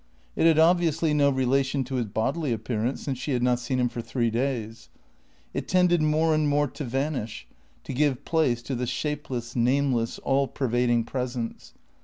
It had obviously no relation to his bodily appearance, since she had not seen him for three days. It tended more and more to vanish, to give place to the shapeless, nameless, all pervading presence.